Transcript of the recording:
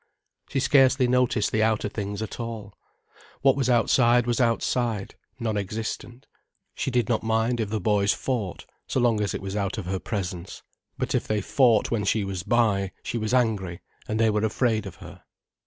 She scarcely noticed the outer things at all. What was outside was outside, non existent. She did not mind if the boys fought, so long as it was out of her presence. But if they fought when she was by, she was angry, and they were afraid of her.